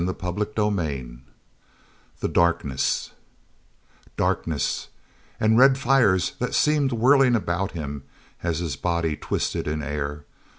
CHAPTER VIII The Darkness arkness; and red fires that seemed whirling about him as his body twisted in air.